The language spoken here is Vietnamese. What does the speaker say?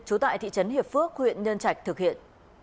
trú tại thị trấn hiệp phước huyện nhân trạch thực hiện